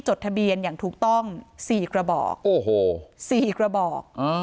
จดทะเบียนอย่างถูกต้อง๔กระบอก